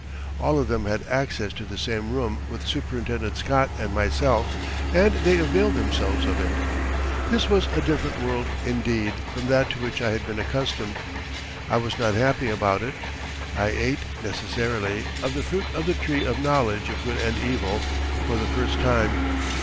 All of them had access to the same room with Superintendent Scott and myself, and they availed themselves of it. This was a different world, indeed, from that to which I had been accustomed. I was not happy about it. I ate, necessarily, of the fruit of the tree of knowledge of good and evil for the first time.